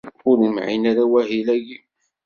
Ur imɛin ara wahil-agi.